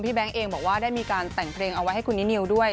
แก๊งเองบอกว่าได้มีการแต่งเพลงเอาไว้ให้คุณนินิวด้วย